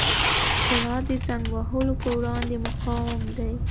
طلا د زنګ وهلو پر وړاندې مقاوم دی.